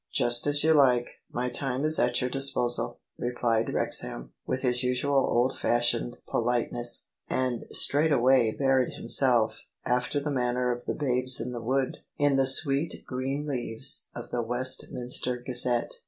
" Just as you like : my time is at your disposal," replied Wrexham, with his usual old fashioned politeness: and straightway buried himself, after the manner of the Babes in the Wood, in the "sweet green leaves" of the West minster Gazette.